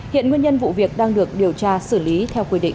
hiện nguyên nhân vụ việc đang được điều tra xử lý theo quy định